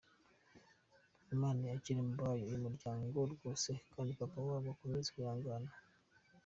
lmana yakire mubayo uy’umuryango rwose!kandi papa wabo akomeze kwihangana.